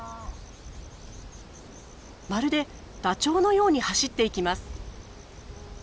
まるでダチョウのように走っていきます。